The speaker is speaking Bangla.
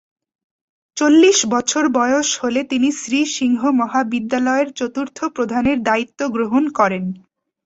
চল্লিশ বছর বয়স হলে তিনি শ্রী সিংহ মহাবিদ্যালয়ের চতুর্থ প্রধানের দায়িত্ব গ্রহণ করেন।